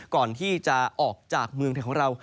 ก่อนที่จะออกจากเมืองไทยของเรา